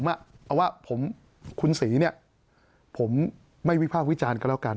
เอาว่าคุณศรีเนี่ยผมไม่วิภาควิจารณ์กันแล้วกัน